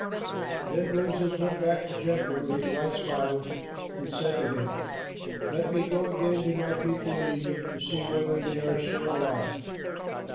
Then Moses went back to Jethro, his wife's father, and said to him, "Let me go again to my people in Egypt to see whether they are still alive."